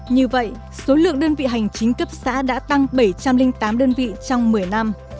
như vậy số lượng đơn vị hành chính cấp xã đã tăng bảy trăm linh tám đơn vị trong một mươi năm